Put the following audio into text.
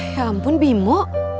ya ampun bimo